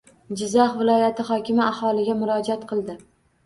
Jizzax viloyati hokimi aholiga murojaat qildi